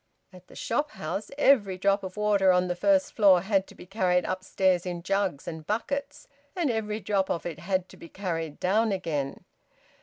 At the shop house, every drop of water on the first floor had to be carried upstairs in jugs and buckets; and every drop of it had to be carried down again.